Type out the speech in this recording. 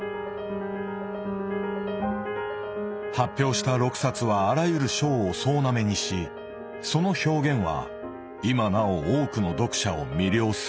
発表した６冊はあらゆる賞を総ナメにしその表現は今なお多くの読者を魅了する。